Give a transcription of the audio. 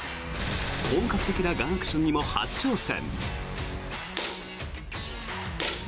本格的なガンアクションにも初挑戦！